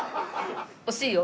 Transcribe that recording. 惜しいよ。